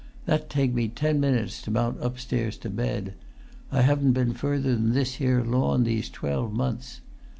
That take me ten minutes to mount upstairs to bed. I haven't been further'n this here lawn these twelve months.